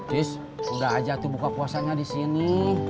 terus udah aja tuh buka puasanya di sini